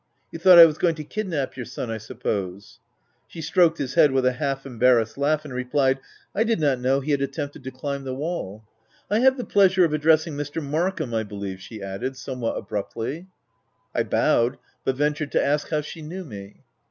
" You thought I was going to kidnap your son, I suppose ?", She stroked his head with a half embarrassed laugh, and replied, — u I did not know he had attempted to climb OF WILDFELL HALL. 37 the wall. — I have the pleasure of addressing Mr. Markham, I believe V\ she added somewhat abruptly. I bowed, but ventured to ask how she knew me.